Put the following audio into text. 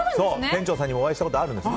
店長さんにお会いしたことあるんです。